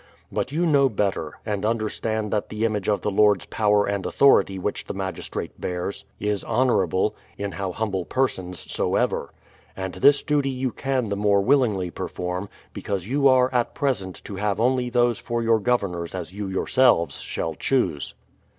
But you know better, and understand that the image of the Lord's power and authority which the magistrate bears, is honourable, in how humble persons soever. And this duty you can the more willingly perform, because you are at present to have only those for your governors as you yourselves shall choose.